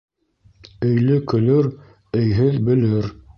Өйлө көлөр, өйһөҙ бөлөр.